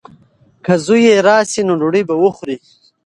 که زوی یې راشي نو ډوډۍ به وخوري.